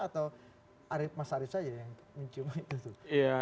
atau mas arief saja yang mencium itu tuh